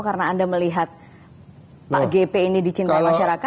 karena anda melihat pak gp ini dicintai